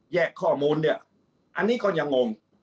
แย่ข้อมูลเนี่ยอันนี้ก็จะงง